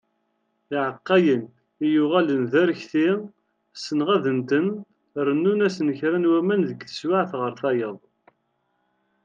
Iεeqqayen i yuγalen d arekti, senγadent-ten, rennunt-asen kra n waman deg teswiεet γer tayeḍ.